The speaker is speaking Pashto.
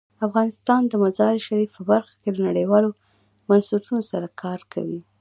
افغانستان د مزارشریف په برخه کې له نړیوالو بنسټونو سره کار کوي.